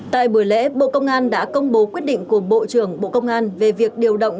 tại buổi lễ bộ công an đã công bố quyết định của bộ trưởng bộ công an về việc điều động